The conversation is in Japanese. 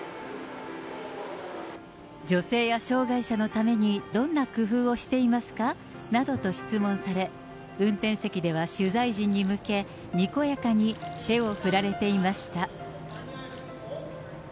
女性や障害者のためにどんな工夫をしていますかなどと質問され、運転席では取材人に向けにこやかに手を振られていました。